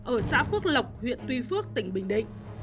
ở xã phước lộc huyện tuy phước tỉnh bình định